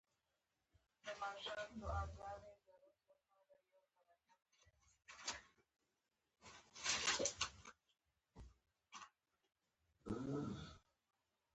نه له ځانه خبر وي نه له دنيا نه!